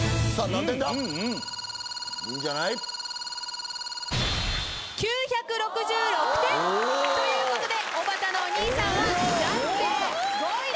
いいんじゃない？ということでおばたのお兄さんは暫定５位です。